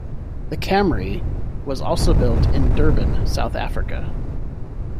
The Camry was also built in Durban, South Africa.